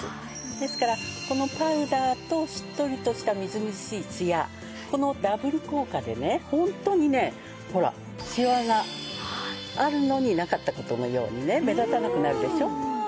ですからこのパウダーとしっとりとしたみずみずしいツヤこのダブル効果でねホントにねほらシワがあるのになかった事のようにね目立たなくなるでしょ。